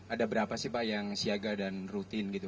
ada berapa sih pak yang siaga dan rutin gitu